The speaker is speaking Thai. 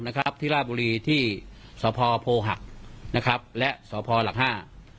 นะครับที่ราชบุรีที่สพโพหักนะครับและสพหลักห้า